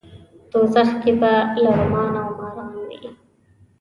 دوزخ کې به لړمان او ماران وي.